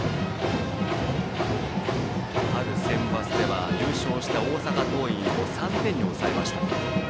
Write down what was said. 春センバツでは優勝した大阪桐蔭を３点に抑えました。